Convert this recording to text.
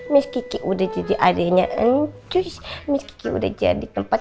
miski udah jadi adiknya enjus miski udah jadi tempat